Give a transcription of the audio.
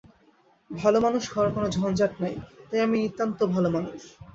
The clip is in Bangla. ভালোমানুষ হওয়ার কোনো ঝঞ্ঝাট নাই, তাই আমি নিতান্ত ভালোমানুষ।